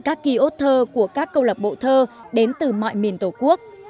các ký ốt thơ của các câu lạc bộ thơ đến từ mọi miền tổ quốc